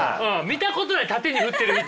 見たことない縦に振ってる人。